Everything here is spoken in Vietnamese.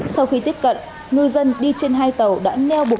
sau khi tiếp cận ngư dân đi trên hai tàu đã neo bộ